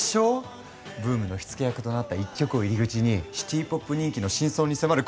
ブームの火付け役となった一曲を入り口にシティ・ポップ人気の真相に迫る